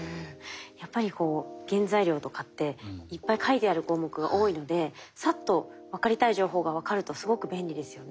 やっぱりこう原材料とかっていっぱい書いてある項目が多いのでさっと分かりたい情報が分かるとすごく便利ですよね。